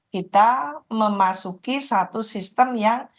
kita memasuki satu sistem yang